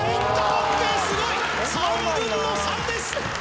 ＯＫすごい！３分の３です！